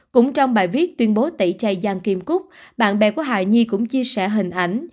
cũng trong bài viết tuyên bố tẩy chay giang kim cúc bạn bè của hà nhi cũng chia sẻ hình ảnh